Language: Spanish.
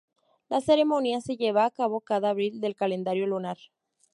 La ceremonia se lleva a cabo cada Abril del calendario lunar.